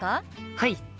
はい。